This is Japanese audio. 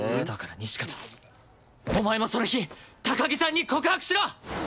だから西片お前もその日高木さんに告白しろ！